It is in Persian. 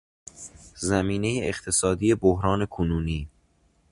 زمینهی اقتصادی بحران کنونی